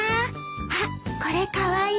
あっこれカワイイ。